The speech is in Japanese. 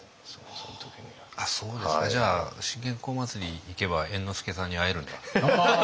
じゃあ信玄公祭り行けば猿之助さんに会えるんだ。